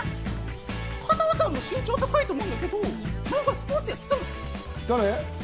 加藤さんも身長高いと思うんだけど、何かスポーツやってたんですか？